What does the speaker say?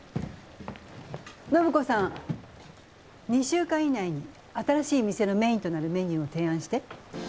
２週間以内に新しい店のメインとなるメニューを提案して。